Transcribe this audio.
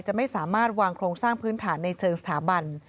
จะไม่สามารถวางโครงสร้างพื้นฐานในเชิงสถาบัน